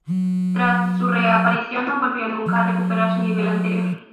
Tras su reaparición no volvió nunca a recuperar su nivel anterior.